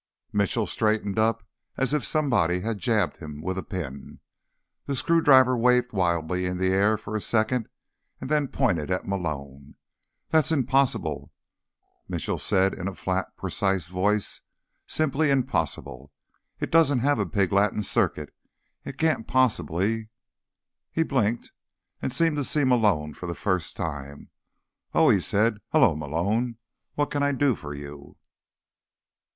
Mitchell straightened up as if somebody had jabbed him with a pin. The screwdriver waved wildly in the air for a second, and then pointed at Malone. "That's impossible," Mitchell said in a flat, precise voice. "Simply impossible. It doesn't have a pig Latin circuit. It can't possibly—" He blinked and seemed to see Malone for the first time. "Oh," he said. "Hello, Malone. What can I do for you?"